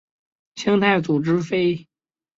清太祖之妃。